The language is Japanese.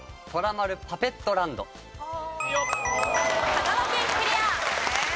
香川県クリア！